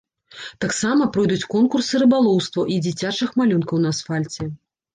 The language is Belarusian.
Таксама пройдуць конкурсы рыбалоўства і дзіцячых малюнкаў на асфальце.